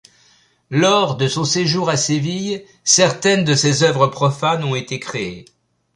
Lors de son séjour à Séville, certaines de ses œuvres profanes ont été créées.